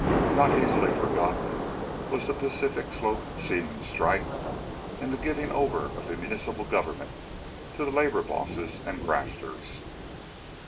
Not easily forgotten was the Pacific Slope Seaman's strike and the giving over of the municipal government to the labor bosses and grafters.